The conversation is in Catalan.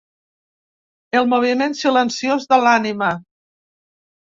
El moviment silenciós de l’ànima.